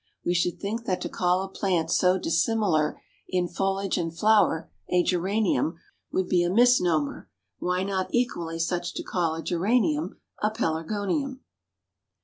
We should think that to call a plant so dissimilar in foliage and flower a Geranium, would be a misnomer, why not equally such to call a Geranium a Pelargonium?